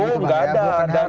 oh nggak ada